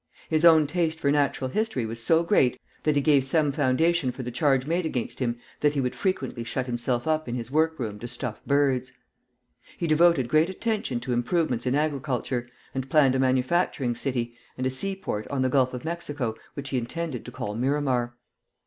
His own taste for natural history was so great that he gave some foundation for the charge made against him that he would frequently shut himself up in his workroom to stuff birds. He devoted great attention to improvements in agriculture, and planned a manufacturing city, and a seaport on the Gulf of Mexico which he intended to call Miramar.